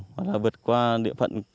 hoặc là vượt qua địa phận